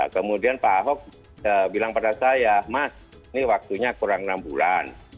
kemudian pak ahok bilang pada saya mas ini waktunya kurang enam bulan